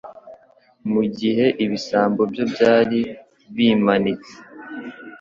mu gihe ibisambo byo byari bimanitse.